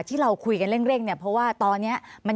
ที่เราคุยกันเร่งเนี่ยเพราะว่าตอนนี้